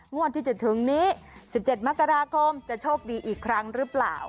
งวดที่จะถึงนี้๑๗มกราคมจะโชคดีอีกครั้งหรือเปล่า